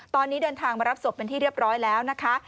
ตอนนี้เดินทางมารับศพเป็นที่เรียบร้อยแล้วนะคะ